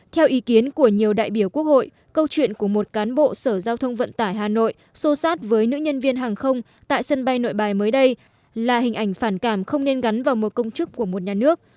theo ý kiến của nhiều đại biểu quốc hội câu chuyện của một cán bộ sở giao thông vận tải hà nội sô sát với nữ nhân viên hàng không tại sân bay nội bài mới đây là hình ảnh phản cảm không nên gắn vào một công chức của một nhà nước